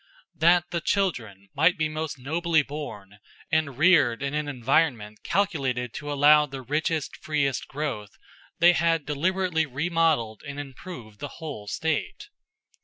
That the children might be most nobly born, and reared in an environment calculated to allow the richest, freest growth, they had deliberately remodeled and improved the whole state.